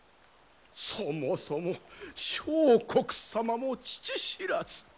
そもそも相国様も父知らず。